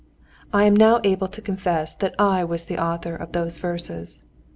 I am now able to confess that I was the author of those verses.